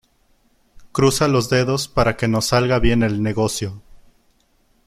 Cruza los dedos para que nos salga bien el negocio